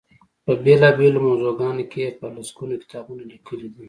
په بېلا بېلو موضوعګانو کې یې په لس ګونو کتابونه لیکلي دي.